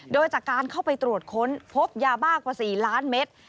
โดยจากการเข้าไปตรวจค้นพบยาบ้ากว่า๔ล้านเมตร